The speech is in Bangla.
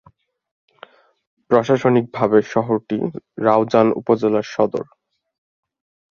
প্রশাসনিকভাবে শহরটি রাউজান উপজেলার সদর।